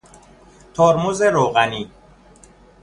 ترمز روغنی